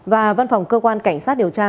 và văn phòng cơ quan cảnh sát điều tra